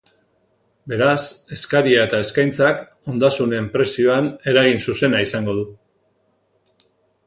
Beraz eskaria eta eskaintzak, ondasunen prezioan eragin zuzena izango du.